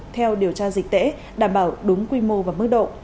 theo điều tra dịch tễ đảm bảo đúng quy mô và mức độ